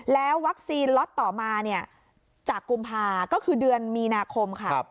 แล้ววัคซีนล็อตต่อมาจากกุมภาก็คือเดือนมีนาคมค่ะ